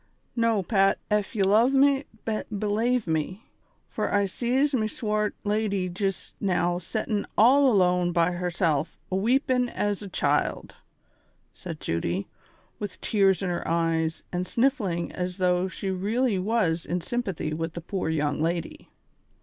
" Xo, Pat, ef j'e luv ftie, belave me, fur I sees me swate lady jist now settin' all alone by herself aweepin' as a child," said Judy, with tears in her eyes, and sniffling as though she really was in sympathy with the poor young lady.